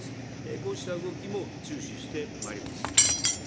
こうした動きも注視してまいります。